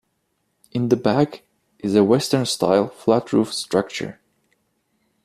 In the back is a Western-style flat-roof structure.